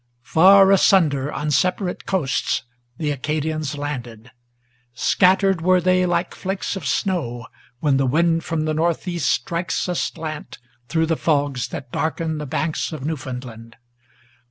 Far asunder, on separate coasts, the Acadians landed; Scattered were they, like flakes of snow, when the wind from the northeast Strikes aslant through the fogs that darken the Banks of Newfoundland.